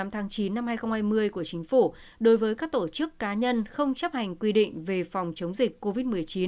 một mươi tháng chín năm hai nghìn hai mươi của chính phủ đối với các tổ chức cá nhân không chấp hành quy định về phòng chống dịch covid một mươi chín